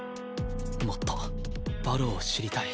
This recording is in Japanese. もっと馬狼を知りたい